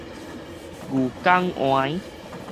牛犅 𨂿